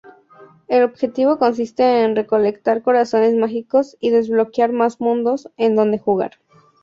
El objetivo consiste en recolectar corazones mágicos y desbloquear más mundos en donde jugar.